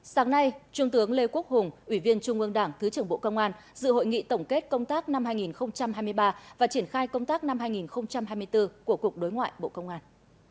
sáng nay trung tướng lê quốc hùng ủy viên trung ương đảng thứ trưởng bộ công an dự hội nghị tổng kết công tác năm hai nghìn hai mươi ba và triển khai công tác năm hai nghìn hai mươi bốn của cục đối ngoại bộ công an